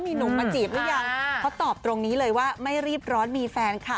มีหนุ่มมาจีบหรือยังเขาตอบตรงนี้เลยว่าไม่รีบร้อนมีแฟนค่ะ